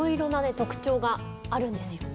特徴があるんですよ。